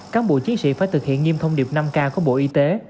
cán bộ chiến sĩ phải thực hiện nghiêm thông điệp năm k của bộ y tế